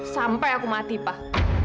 sampai aku mati pak